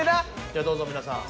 じゃどうぞ皆さん。